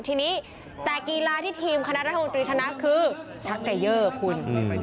ทีนี้แต่กีฬาที่ทีมคณะรัฐมนตรีชนะคือชักไก่เยอร์คุณ